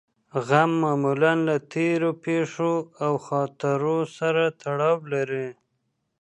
غم معمولاً له تېرو پېښو او خاطرو سره تړاو لري.